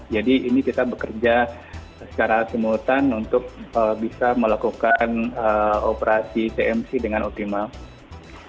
jadi ini kita bekerja secara semuatan untuk bisa melakukan operasi tmc dengan optimal